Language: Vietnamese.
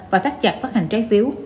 và thắt chặt phát hành trái phiếu